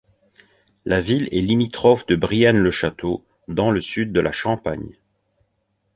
La ville est limitrophe de Brienne-le-Château, dans le sud de la Champagne.